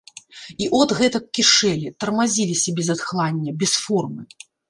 І от гэтак кішэлі, тармазіліся без адхлання, без формы.